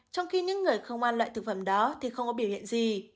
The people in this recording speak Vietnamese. trong khi những người không ăn loại thực phẩm đó thì không có biểu hiện gì